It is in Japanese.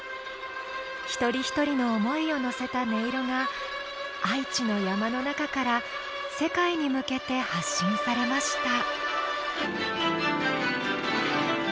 一人一人の思いを乗せた音色が愛知の山の中から世界に向けて発信されました